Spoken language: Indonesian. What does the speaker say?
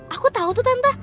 aku tahu tuh tante